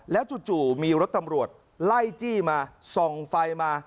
จู่มีรถตำรวจไล่จี้มาส่องไฟมา